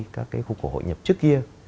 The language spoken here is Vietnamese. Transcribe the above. các cái khu cổ hội nhập trước kia